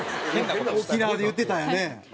沖縄で言ってたんやね。